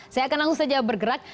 saya akan langsung saja bergerak